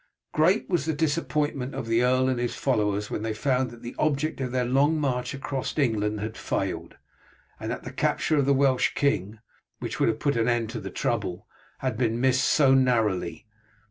Great was the disappointment of the earl and his followers when they found that the object of their long march across England had failed, and that the capture of the Welsh king, which would have put an end to the trouble, had been missed so narrowly.